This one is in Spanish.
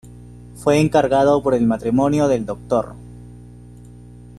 Fue encargado por el matrimonio del Dr.